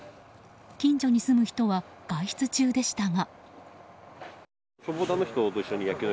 近所に住む人は外出中でしたが。